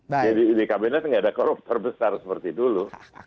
jadi di kabinet tidak ada korup terbesar seperti dulu